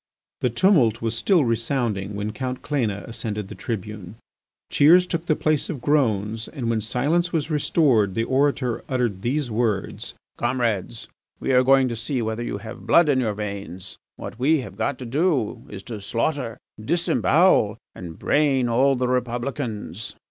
The tumult was still resounding when Count Cléna ascended the tribune. Cheers took the place of groans and when silence was restored the orator uttered these words: "Comrades, we are going to see whether you have blood in your veins. What we have got to do is to slaughter, disembowel, and brain all the Republicans."